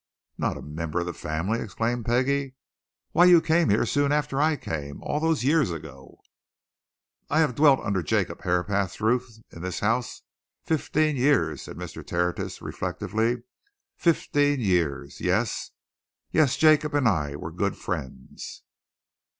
"Not a member of the family!" exclaimed Peggie. "Why, you came here soon after I came all those years ago!" "I have dwelt under Jacob Herapath's roof, in this house, fifteen years," said Mr. Tertius, reflectively. "Fifteen years! yes. Yes Jacob and I were good friends."